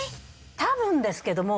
多分ですけども。